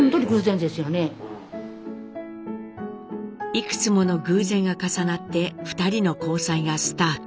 いくつもの偶然が重なって２人の交際がスタート。